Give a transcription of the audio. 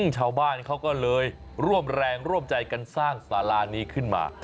ชาวบ้านเขาก็เลยร่วมแรงร่วมใจกันสร้างสารานี้ขึ้นมา